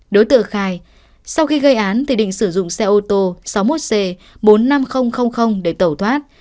đối tượng khai sau khi gây án thì định sử dụng xe ô tô sáu mươi một c bốn mươi năm nghìn để tẩu thoát